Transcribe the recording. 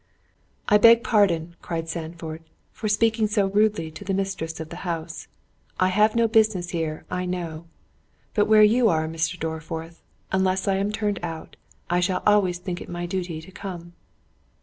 "I beg pardon," cried Sandford, "for speaking so rudely to the mistress of the house—I have no business here, I know; but where you are, Mr. Dorriforth, unless I am turned out, I shall always think it my duty to come."